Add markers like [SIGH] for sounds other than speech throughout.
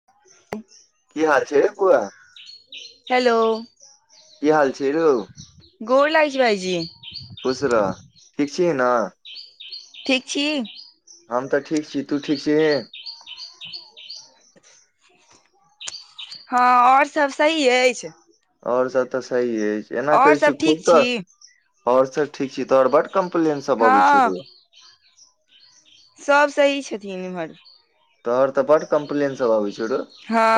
[INAUDIBLE] की हाल छै यौऽ बौआ हेलो की हाल छै रौ गोड़ लागै छी भाइजी खुश रह ठीक छी न ठीक छी हम तऽ ठीक छी तू ठीक छी ही [INAUDIBLE] [INAUDIBLE] हँ आओर सब सही ऐछ आओर सब तऽ सही ऐछ एना आओर कहै छी सभ खूब ठीक तऽ आओर सब ठीक छी तोहर बड कम्प्लेन सब अबै छौ हँ रौ सब सही छथिन इम्हर तोहर तऽ बड कम्प्लेन सब आबै छ रौ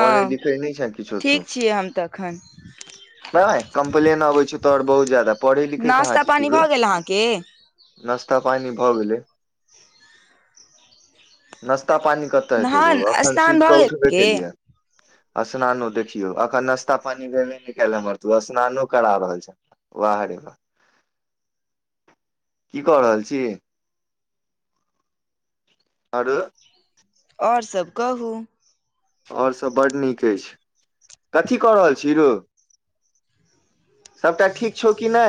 पढ़ै लिखै नै छँ किछो तू ठीक छियै हम तऽ एखन घै बएह कम्प्लेन आबै छौ तोहर बहुत ज्यादा पढ़ै लिखै कहाँ नाश्ता छि तु पानी रौ भऽ गेल अहाँके नश्ता पानी भऽ गेलै नश्ता पानी कतऽ हेते रु नहान एखन स्नान सुति कऽ भऽ गेल उठबे के केलिया अस्नानो देखियौ अखन नश्ता पानी भेबे नै कायल हमर तू अस्नानो करा रहल छ वाह रे वाह की कऽ रहल छि आरौ आओर सब कहू आओर सब बड्ड नीक ऐछ कथी कऽ रहल छी रौ सबटा ठीक छौ कि नै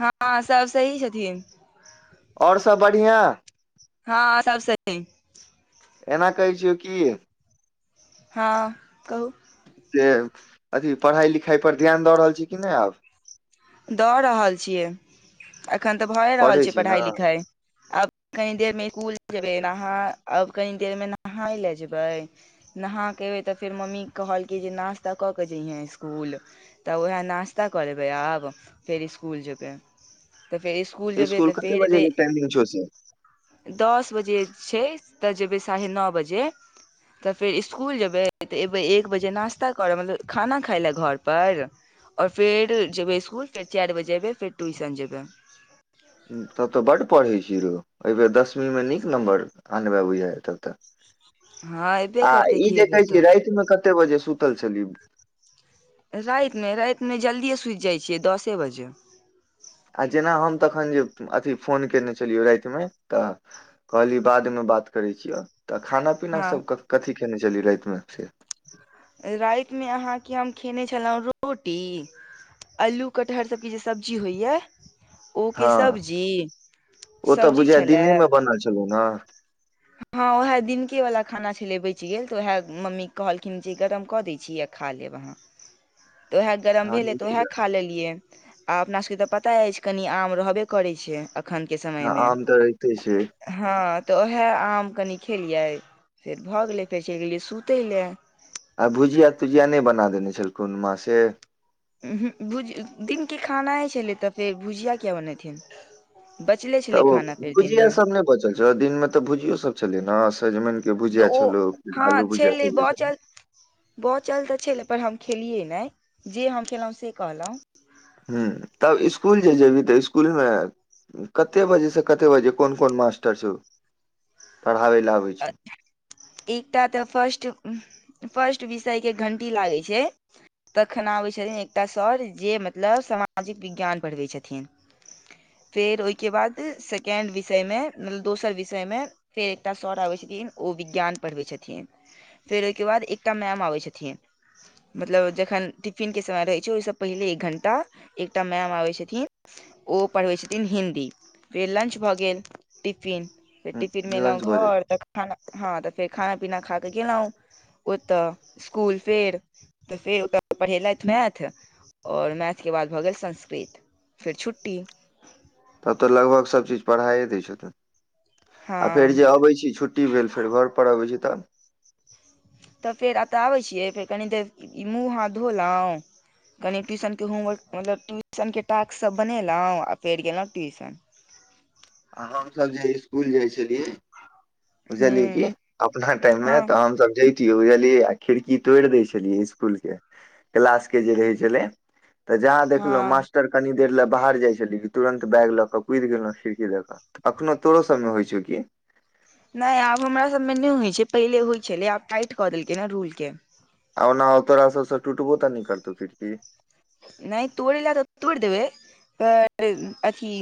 हँ सब सही छथिन आओर सब बढ़ियां हँ सभ सही एना कहै छियौ की हँ कहू से अथी पढाय लिखाय पर ध्यान दऽ रहल छी कि नै आब दऽ रहल छियै अखन तऽ भए पढ़ै रहल छियै छी पढ़ाई ने लिखाई आब कनी देर मे स्कूल जेबै नहा अब कनी देर मे नहाय ले जेबैय नहाकऽ एबै तऽ फेर मम्मी कहलकै जे नास्ता कऽ क जइहें इस्कुल तऽ उएह नास्ता कऽ लेबै आब फेर इस्कुल जेबै तऽ फेर इस्कुल जेबै स्कुल तऽ कते फेर बजे एबे के टाइमिंग छौ से दस बजे छै तऽ जेबै साढ़े न बजे तऽ फेर इस्कुल जेबै तऽ एयबै एक बजे नास्ता करय मतलब खाना खायलए घर-पर आओर फेर जेबै इस्कुल फेर चारि बजे एबै फेर ट्यूशन जेबै तब तो बड पढ़ै छी रौ एहि बेेर दसमी मे नीक नम्बर आनबे बुझाया त त हँ एबे आ करतै ई की जे एबेर कहै तऽ छीयै रातिमे कते बजे सुतल छलीयै रातिमे रातिमे जल्दिए सुति जाइ छियै दसे बजे आ जेना हम तखन जे अथि फोन कयने छलियै रातिमे तऽ कहली बाद मे बात करै छियौ तऽ खाना पीना हँ सब कथी खने छली राति मे फेर रातिमे अहाँके हम खेने छलौं रोटी आलू कटहरसके जे सब्जी होइया ओ के हँ सब्जी ओ तऽ सब्जी बुझाय छलए दिनेमे बनल छैलौ न हँ उएह दिनके वला खाना छलै बचि गेल तऽ उएह मम्मी कहलखिन जे गरम कऽ दैत छी आ खा लेब आहाँ तऽ उएह गरम भेलै तऽ उएह हँ खा लेलियै आ अपना सबके तऽ पता अछि कनि आम रहबे करै छैय हँ आम तऽ रहैते छय हँ तऽ उएह आम कनि खेलियै फेर भऽ गेलै फेर चलि गेलियै सुतय लए आ भुजिया तुजिया नै बना देने छलखुन माँ से उहूक दिनके खानाये छलै तऽ फेर भुजिया किया बनेथिन बचले तऽ छलै ओ खाना फेर भुजिया दिनमे सब नै बचल छौ दिन मे तऽ भुजियो सब छलै न सजमैन के तऽ भुजिया ओ छलौ हँ आलू भुजिया छलै बचल बचल तऽ छलै पर हम खेलियै नै जे हम खेलौ से कहलौं [INAUDIBLE] हूँ तब इस्कुल जे जेबी तऽ इस्कुलमे कते बजेसँ कते बजे कोन कोन मास्टर छौ। पढ़ाबै लए आबै छै एकटा तऽ फर्स्ट फर्स्ट विषयके घण्टी लागै छैय तखन आबै छथिन एकटा सर जे मतलब सामाजिक विज्ञान पढ़बै छथिन फेर ओइके बाद सेकेंड विषय मे मतलब दोसर विषय मे फेर एकटा सर आबै छथिन ओ विज्ञान पढ़बै छथिन फेर ओइके बाद एकटा मेम आबै छथिन मतलब जखन टिफिनके समय रहै छै ओइसँ पहिने एक घण्टा एकटा मैम आबै छथिन ओ पढ़बै छथिन हिन्दी फेर लंच भऽ गेल टिपिन फेर टिपिनमे एलौं लंच भऽ जाइ छै हँ तखन हँ त फेर खाना पीना खा क गेलौं ओतय इस्कुल फेर तऽ फेर ओतय पढ़ेलथि मैथ आओर मैथके बाद भऽ गेल संस्कृत फेर छुट्टी तब तऽ लगभग सब चीज पढ़ाइए दै छथुन आ फेर हँ जे अबै छी छुट ट्टी भेल छलै घर पर अबै छैन त तऽ फेर एतऽ आबै छियै फेर कनी देर ई मूँह हाथ धोलौं कनि ट्यूशनके होमवर्क मतलब ट्यूशनके टास्कसब बनेलाउ आ फेर गेलौं ट्यूशन आ हमस जे इस्कुल जाइ छलियै बुझलियै कि हूँ अपना टाइम मे हँ तऽ हमस ज बुझलियै आ खिड़की तोड़ि दै छलियै इस्कुल के क्लास के जे रहै छलै तऽ जहाँ देखलौं हँ मास्टर कनी देर लए बाहर जाय छलै कि तुरंत बैग लऽ क कुदि गेलौं खिड़ इदेख अखनो तोरो सबमे होइ छौ की नै आब हमरा सबमे नै होइ छै पहिले होइ छलै आब टाइट कऽ देलकै ने रूल के आओ नाओ ताड़ासन स टुटबो तऽ नै करतौ खिड़की नै तोड़ै लए तऽ तोड़ि देबै पर अथी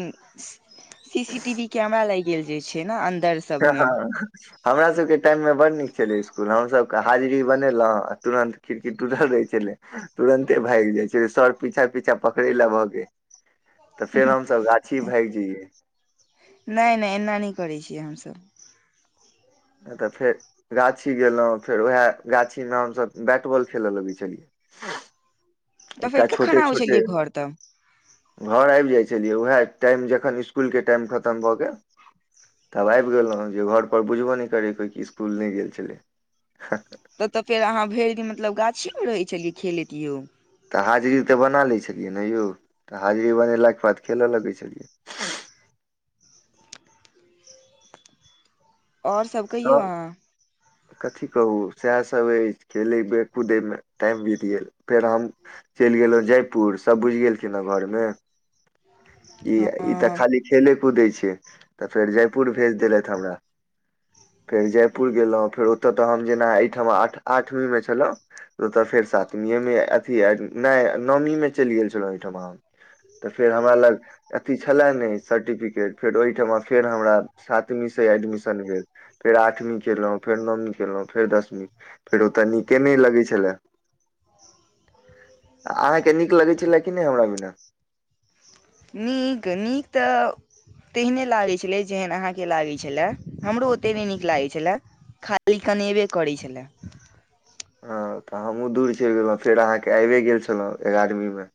C C T V camera लागि गेल जे छै न अन्दर तें सभमे हँ हमरा सब के टाइम मे बड नीक छलै इस्कूल हमसब क हाजिरी बनेलौं आ तुरंत खिड़की टूटल रहै छलै तुरन्ते भागि जाइ छैय सर पीछा पीछा पकड़ै लए भगै तऽ फेर हमसब गाछी भागि जइयै नै नै एना नै करै छियै हमसब ए तऽ फेर राछी गेलौं फेर उएह गाछीमे हमसब बैट बॉल खेल लगै छलियै तऽ फेर एकटा कखन छोटे आबै छोटे छलियै घर तऽ घर आबि जाइ छलियै उएह टाइम जखन इस्कुल के टाइम खतम भऽ गेल तब आबि गेलौं जे घरपर बुझबो नै करै कोइ कि इस्कुल नै गेल छलै तबतऽ फेर अहाँ भरि दिन मतलब गाछी मे रहै छलियै खेलैत यौ तऽ हाजरी तऽ बना लै छलियै ने यौ तऽ हाजरी बनेलाके बाद खेलऽ लगै छलियै आओर सब कहियौ तब अहाँ कथी कहू सएहसब अछि खेलैबे कूदैमे टाइम बीत गेल फेर हम चलि गेलहुँ जयपुर सब बुझि गेलखिन घरमे ई ई तऽ हँ खाली खेलै कूदै छै तऽ फेर जयपुर भेज देलैथ हमरा फेर जयपुर गेलौं फेर ओतय तऽ हम जेना एइठमा आठ आठवींमे छलौं ओतय फेर सातवीएमे अथी नै न मीमे चलि गेल छलौं ओइठाम हम तऽ फेर हमरा लग अथी छलए नै सर्टिफिकेट फेर ओइठमा फेर हमरा सातवीं स एडमिशन भेल फेर आठवी केलौं फेर नौवीं केलौं फेर दसमी फेर ओतय नीके नै लगै छलए अहाँके नीक लगै छलए कि नै हमरा बिना नीक नीक तऽ तेहने लागै छलै जेहन अहाँकेँ लागै छलै हमरो ओते नय नीक लागै छलै खाली कनेबे करै छलै हँ तऽ हमहूँ दूर चैल गेलहुँ फेर अहाँकेँ आइबे गेल छलहुँ एगारहमी मे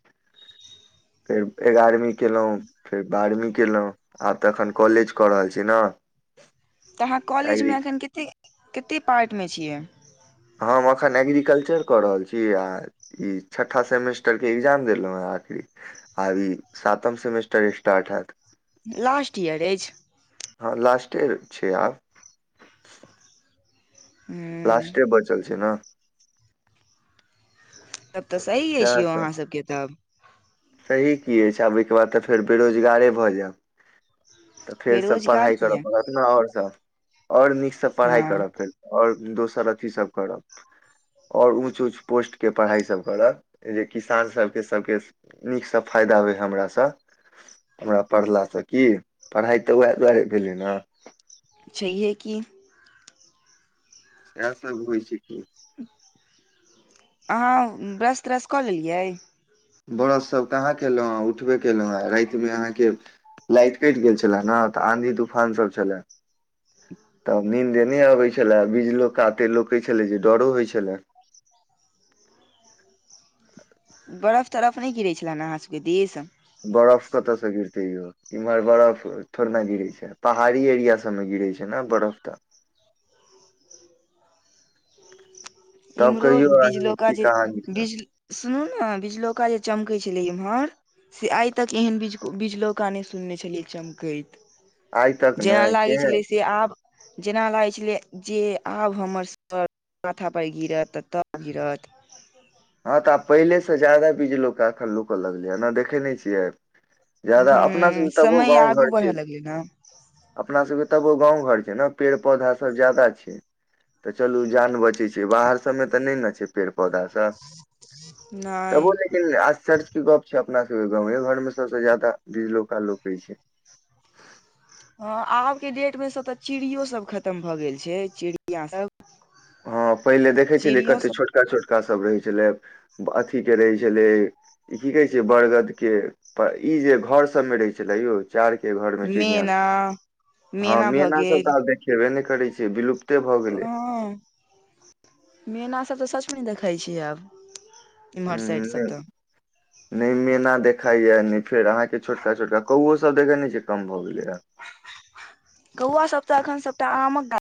फेर एगारहमी केलहुँ फेर बारहवी केलहुँ आब तऽ एखन कॉलेज कऽ रहल छी नऽ तऽ अहाँ कॉलेजमे अखैन केते - कते पार्टमे छियै हम अखैन एग्रीकल्चर कऽ रहल छी अहाँ ई छठा सेमेस्टर केँ एग्जाम देलहुँ हेँ आखरी आब ई सातम समेस्टर स्टार्ट हैत लास्ट इयर अछि हँ लास्टे छै आब हुँ लास्टे बचल छै नऽ तब तऽ सही अछि यौ अहाँ सब केँ तब सही की अछि छै आब ओहि केँ बाद तऽ फेर बेरोजगारे भऽ जैब तऽ फेर सभ बेरोजगार पढ़ाइ करय किया पड़त ने आओर सभ आओर नीकसँ पढ़ाइ हँ करब फेर आओर दोसर अथी सब करब आओर ऊँच ऊँच पोस्ट केँ पढ़ाइ सभ करब जे किसान सभ केँ सभ केँ नीकसँ फायदा होइ हमरासँ हमरा पढ़लासँ की पढ़ाइ तऽ वैह दुआरे भेलै नऽ छहिए कि इहैसब होइ छै की अहाँ ब्रश त्रश कऽ लेलियै ब्रससभ कहाँ कयलहुँँ हँ उठबे कयलहुँ हँ आप राइतमे अहाँकेँ लाइट कैट गेल छलै नऽ तऽ आंधी तूफान सब छलै तब नीन्द नय अबै छलै बिजलोका एते लोकै छलै जे डरो होइ छलै बरफ तरफ नय गिरै छलै नऽ अहाँ सभ केँ दिश बरफ कतऽ सँ गिरतै यौ इम्हर बरफ थोड़े नऽ गिरै छै पहाड़ी एरिया सबमे गिरै छै नऽ बर्फ तऽ तब इम्हरो कहियौ अहीं बिजलोका की जे कहानी सब बिज सुनू नऽ बिचलौका जे चमकैत छलै इम्हर से आइ तक एहनज बिज - बिजलौका नइ सुनने छलियै चमकैत आइ तक ने जेना लागै केहन छलै से आब जेना लागै छलै जे आब हमर सब माथा पर गिरत तऽ तब गिरत हँ तऽ आब पहिलेसँ ज्यादा बीज लोका एखन लुकऽ लगलै अ नऽ देखै नय छियै जादा अपना सब हूँ कऽ तबो समय गाँव आगू घर छै बढ़ऽ लगलै ने अपना सभ केँ तबो गाँव घर छै नऽ पेड़ पौधा सभ जादा छै तऽ चलू जान बचै छै बाहर सभ मे तऽ नय नऽ छै पेड़ पौधा सभ नऽ तबो लेकिन आश्चर्ज केँ गप छै अपना सब केँ गाँवे घर मे सबसे ज्यादा बिजलोका लोकै छै हँ आब केँ डेट मे से तऽ चिड़ियो सब खतम भऽ गेल छै चिड़िया सब हँ पहिले देखै छलियै चिड़ियो कते सब छोटका छोटका सभ रहै छलै अथी केँ रहै छलै ई की कहे छै बरगद केँ पऽ ई जे घर सबमे रहै छलै यौ चार केँ घर मे चिड़िया मेना सब हँ मेना भऽ मैना सब गेल तऽ आब देखेबे नय करै छै विलुप्त हँ मैना सब तऽ सचमे नय देखैय छै आब हुँ इम्हर हुँ साइड सब नय तऽ नय मैना देखाय यऽ नय फेर अहाँकेँ छोटका छोटका कौओ सब देखे नय छियै कम भऽ गेले हँ कौआ सब तऽ अखन सबटा आमक गा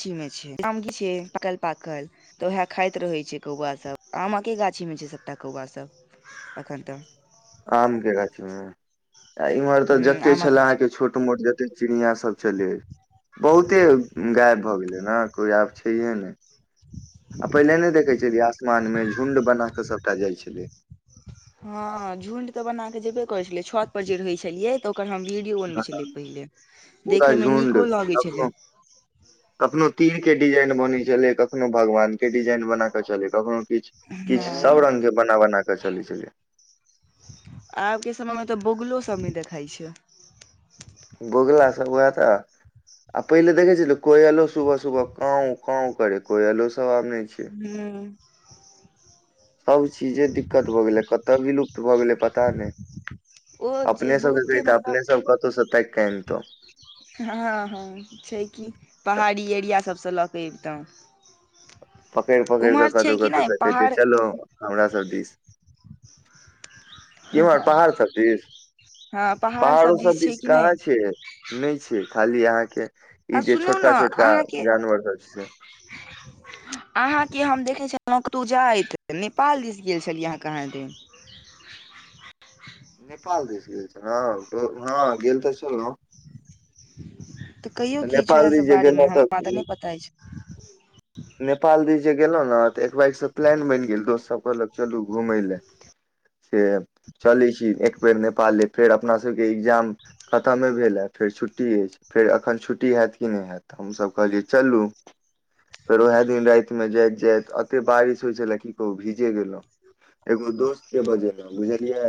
छी मे छै आमकी छै पाकल - पाकल तऽ ओहै खाइत रहै छै कौआ सभ आमकेँ गाछीमे छै सभटा कौआ सभ एखन तऽ आम केँ गाछी मे आ इम्हर तऽ हूँ जते आमक छले गाछी अहाँकेँ छोट मोट ज तेक चिड़िया सब छलै बहुते गायब भऽ गेलै नऽ कोई आब छैहिए नय आ पहिले नय देखै छलियै आसमानमे झुण्ड बना कऽ सभटा जाइ छलै हँ झुण्ड तऽ बना कऽ जेबे करै छलै छत पर जे रहै छलियै तऽ ओकर हम वीडियो बनबे छलियै पहिले पूरा देखे मे झुण्ड नीको लगे कखनो छलै कखनो तीर केँ डिजाइन बनै छलै कखनो भगवान केँ डिजाइन बना कऽ चलै कखनो किछ किछ सब हँ रंग केँ बना बना कऽ चलै छलै आब केँ समयमे तऽ बोगलो सब नय देखाइ छै बोगला सब बैह तऽ आ पहिले देखे छैे कोयलो सुबह सुबह काव काव करे कोयलो सब आब नय छै हुँ सब चीजे दिक्कत भऽ गेलै कतऽ विलुप्त भऽ गेलै पता नय ओ जे अपने सब केँ बहुते कहितै मतलब अपने सब कतहुँ सँ ताइक कऽ अइनतो हँ हँ छै की पहाड़ी एरिया सभसँ लऽ कऽ अयबितौ पकैड़ - पकैड़ कऽ कतहु छै - कि कतहु नहि सँ कहतियै पहाड़ चलो हमरा सब दिश केम्हर पहाड़ सब दिश हँ पहाड़ पहाड़ो सब दिस छै दिश कि नहि कहाँ छै नय छै खाली अहाँकेँ आ ई जे सुनू छोटका ने छोटका अहाँके जानवर सभ छै से [INAUDIBLE] अहाँकेँ हम देखै छलो कतो जाइत नेपाल दिस गेल छलियै अहाँ कहाँ दिन नेपाल दिस गेल छलो तो हँ गेल तऽ छलो तऽ कहियो की छै ओहै नेपाल दिस सब जे बारे मे गेलहुँ हमरा तऽ नय पता अछि नेपाल दीस जे गेलहु नऽ तऽ एकबैग सँ प्लान बैन गेल दोस्त सब कहलक चलू घुमय ले से चलै छी एक बेेर नेपाले फेर अपना सब केँ एग्जाम खतमे भेलए फेर छुट्टी अछि। फेर एखन छुट्टी हैत कि नय हैत तऽ हमसभ कहलियै चलू फेर ओहै दिन राइत मे जाइत - जाइत अते बारिश होइ छलै की कहू भीजे गेलहुँ एगो दोस्त केँ बजेलहुॅं बुझलियै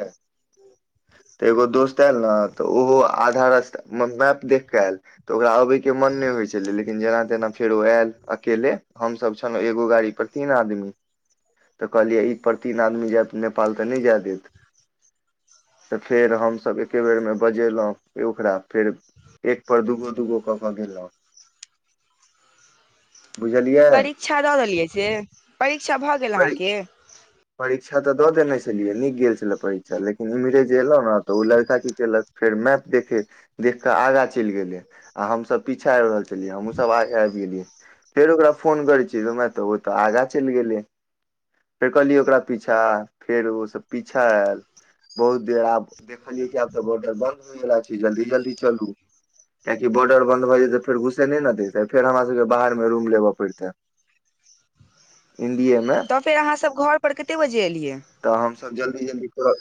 तऽ एगो दोस्त आयल नऽ तऽ ओहो आधा रस्ता म - मैप देख कऽ आयल तऽ ओकरा आबैय केँ मन नय होइ छलै लेकिन जेना तेना फेरो आयल अकेेले हमसब छलहुँ एगो गाड़ी पर तीन आदमी तऽ कहलियै ई पर तीन आदमी जैब नेपाल तऽ नय जाय देत तऽ फेर हमसभ एके बेरमे बजेलहुँ ए ओकरा फेर एक पर दूगो दूगो कऽ कऽ गेलहुँ बुझलियै परीक्षा दऽ देलियै से परीक्षा भऽ गेल पर अहाँकेँ परीक्षा तऽ दऽ देने छलियै नीक गेल छलै परीक्षा लेकिन इम्हरे जे एयलहु नऽ तऽ उ लड़का की केलक फेर मैप देखे देख कऽ आगा चैल गेलै आ हमसभ पीछा आइब रहल छलियै हमहूँ सभ आग आइब गेलियै फेर ओकरा फोन करे छी रैअ बाइ ओ तऽ आगा चैल गेलै फेर कहलियै ओकरा पीछा आ फेर ओ सब पीछा आयल बहुत देर आब देखलियै कि आब तऽ बॉर्डर बन्द होइ वला छै जल्दी जल्दी चलू कियाकि बॉर्डर बन्द भऽ जेतै तऽ फेर घुसे नय नऽ देतै फेर हमरा सब केँ बाहर मे रूम लेबऽ पडितै इण्डिये मे तऽ फेर अहाँ सभ घर पर कते बजे एलियै। तऽ हमसभ जल्दी जल्दी फेरो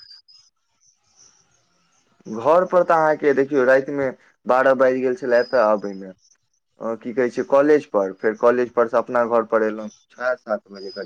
घर पर तऽ अहाँकेँ देखियौ राइतमे बारह बाइज गेल छलै एतऽ अबै मे अ की कहे छै कॉलेज पर फेर कॉलेज पर से अपना घर पर एलहुँ ओहा सात बजे करीब